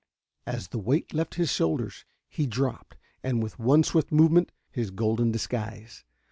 As the weight left his shoulders, he dropped, with one swift movement, his golden disguise.